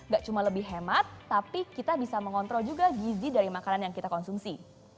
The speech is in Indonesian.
gak cuma lebih hemat tapi kita bisa mengontrol juga gizi dari makanan yang kita konsumsi